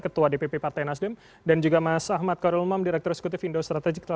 ketua dpp partai nasdem dan juga mas ahmad karel umam direktur eksekutif indosertai indonesia